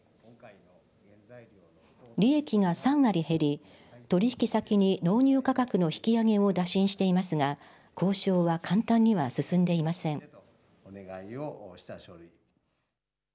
利益が３割減り、取引先に納入価格の引き上げを打診していますが交渉は簡単には進んでいません。